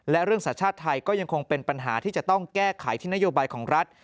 และเรื่องสัญชาติไทยก็ยังคงเป็นปัญหาที่จะต้องแก้ไขที่นโยบายของรัฐ